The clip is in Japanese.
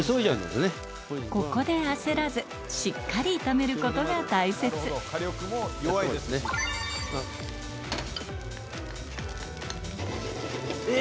ここで焦らずしっかり炒めることが大切えぇ！